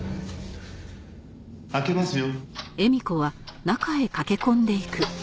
開けますよ。